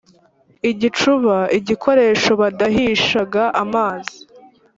igicuba: igikoresho badahishaga amazi